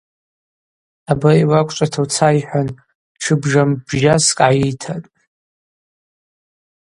Абари уаквчӏвата уца, – йхӏван тшы бжамбжьаскӏ гӏайыйтатӏ.